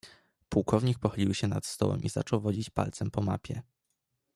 "Pułkownik pochylił się nad stołem i zaczął wodzić palcem po mapie."